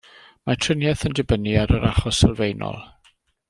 Mae triniaeth yn dibynnu ar yr achos sylfaenol.